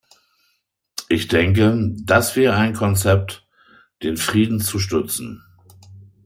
Ich denke, das wäre ein Konzept, den Frieden zu stützen.